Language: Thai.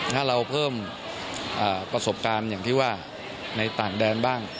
ถ้าเราเพิ่มประสบการณ์อย่างที่ว่าในต่างแดนบ้าง